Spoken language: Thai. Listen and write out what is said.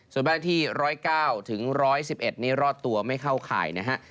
ส่วนบ้านที่๑๐๙ถึง๑๑๑นี้รอดตัวไม่เข้าข่ายนะฮะ